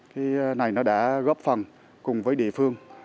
cái này nó đã góp phần cùng với địa phương